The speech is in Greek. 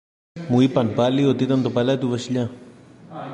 Μου είπαν πάλι πως ήταν το παλάτι του Βασιλιά.